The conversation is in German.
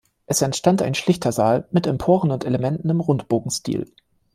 Es entstand ein schlichter Saal mit Emporen und Elementen im Rundbogenstil.